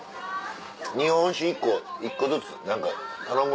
日本酒１個１個ずつ何か頼む？